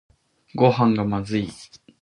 ごはんがまずい